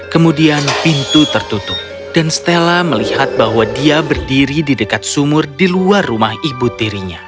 kemudian pintu tertutup dan stella melihat bahwa dia berdiri di dekat sumur di luar rumah ibu tirinya